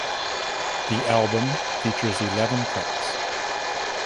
The album features eleven tracks.